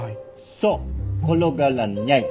そう転がらにゃい！